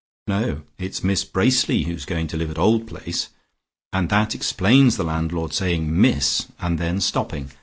No; it's Miss Bracely who is going to live at 'Old Place' and that explains the landlord saying 'Miss' and then stopping.